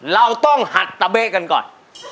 เราต้องหัดตะเบ๊กันก่อน